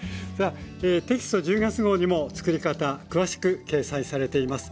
テキスト１０月号にも作り方詳しく掲載されています。